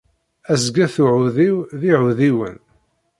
Asget uεudiw d iεudiwen.